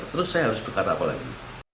terus saya harus berkar apa lagi